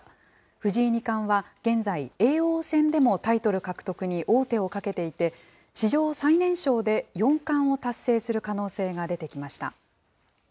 藤井二冠は現在、叡王戦でもタイトル獲得に王手をかけていて、史上最年少で四冠を達成する可能性が出てきました。